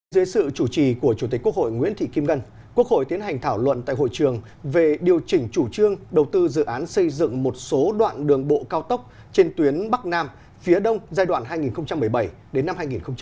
dưới sự chủ trì của chủ tịch quốc hội nguyễn thị kim ngân quốc hội tiến hành thảo luận tại hội trường về điều chỉnh chủ trương đầu tư dự án xây dựng một số đoạn đường bộ cao tốc trên tuyến bắc nam phía đông giai đoạn hai nghìn một mươi bảy đến năm hai nghìn hai mươi